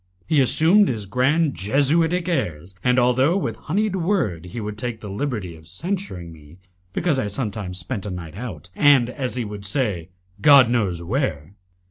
He assumed his grand jesuitic airs, and, although with honeyed word he would take the liberty of censuring me because I sometimes spent a night out, and, as he would say, "God knows where!"